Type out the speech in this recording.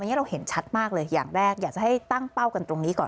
อันนี้เราเห็นชัดมากเลยอย่างแรกอยากจะให้ตั้งเป้ากันตรงนี้ก่อน